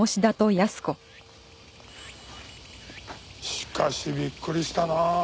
しかしびっくりしたなあ。